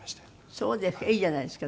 そうですか。